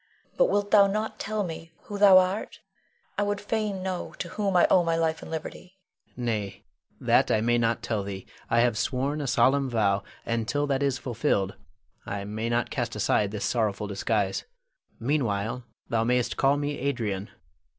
But wilt thou not tell me who thou art? I would fain know to whom I owe my life and liberty. Adrian. Nay, that I may not tell thee. I have sworn a solemn vow, and till that is fulfilled I may not cast aside this sorrowful disguise. Meanwhile, thou mayst call me Adrian.